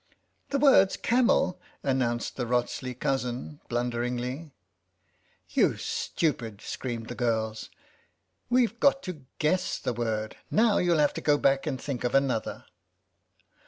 "The word's 'camel,'" announced the Wrotsley cousin blunderingly. " You stupid !" screamed the girls, " we've got to guess the word. Now you'll have to go back and think of another."